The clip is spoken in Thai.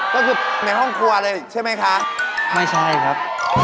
ก็คือในห้องครัวเลยใช่ไหมคะไม่ใช่ครับ